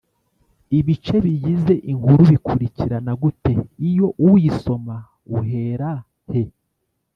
Ibice bigize inkuru bikurikirana gute Iyo uyisoma uhera he